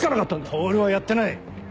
⁉透はやってない。